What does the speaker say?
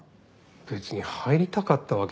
別に入りたかったわけじゃ。